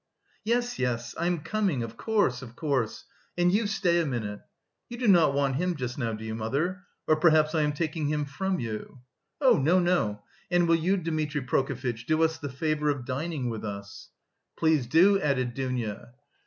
"Yes, yes, I am coming... of course, of course! And you stay a minute. You do not want him just now, do you, mother? Or perhaps I am taking him from you?" "Oh, no, no. And will you, Dmitri Prokofitch, do us the favour of dining with us?" "Please do," added Dounia.